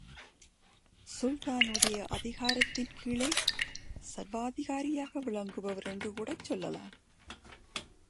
சுல்தானுடைய அதிகாரத்தின் கீழே, சர்வாதிகாரியாக விளங்குபவர் என்று கூடச் சொல்லலாம்.